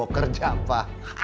aku mau kerja pa